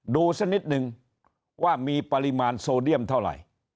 ดูสักนิดนึงว่ามีปริมาณโซเดียมเท่าไหร่